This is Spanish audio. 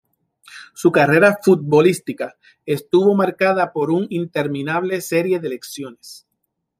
Su carrera futbolística estuvo marcada por una interminable serie de lesiones.